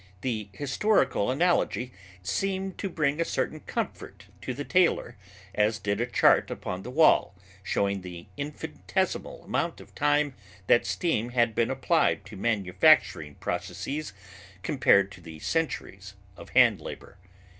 The historical analogy seemed to bring a certain comfort to the tailor, as did a chart upon the wall showing the infinitesimal amount of time that steam had been applied to manufacturing processes compared to the centuries of hand labor.